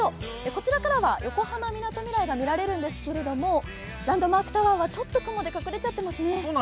こちらからは横浜みなとみらいが見られるんですけれども、ランドマークタワーはちょっと雲で隠れちゃっていますね。